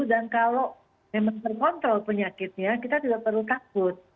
dan kalau memang terkontrol penyakitnya kita tidak perlu takut